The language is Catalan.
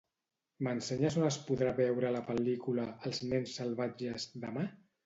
M'ensenyes on es podrà veure la pel·lícula "Els nens salvatges" demà?